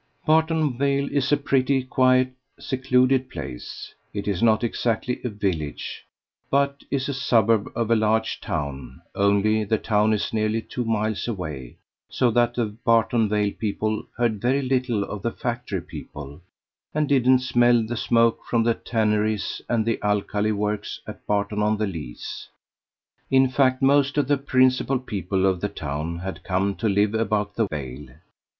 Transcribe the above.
Barton Vale is a pretty, quiet, secluded place. It is not exactly a village, but is a suburb of a large town, only the town is nearly two miles away, so that the Barton Vale people heard very little of the factory people, and didn't smell the smoke from the tanneries and the alkali works at Barton on the Lees. In fact most of the principal people of the town had come to live about the vale.